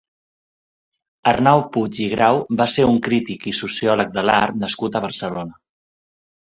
Arnau Puig i Grau va ser un crític i sociòleg de l'art nascut a Barcelona.